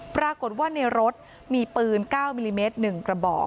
ปรากฏว่าในรถมีปืน๙มิลลิเมตร๑กระบอก